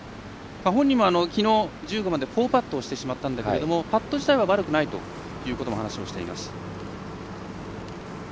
本人も、きのう１５番で４パットをしてしまったんだけれどもパット自体は悪くないという話をしています。